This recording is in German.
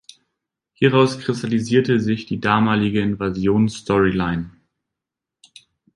Hieraus kristallisierte sich die damalige „Invasion“-Storyline.